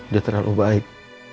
dia terlalu baik